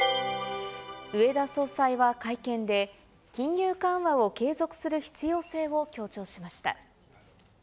植田総裁は会見で、金融緩和を継続する必要性を強調しました。